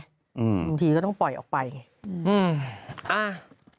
บางทีก็ต้องปล่อยออกไปไง